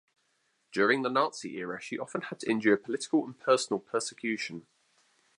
During the Nazi era she often had to endure political and personal persecution.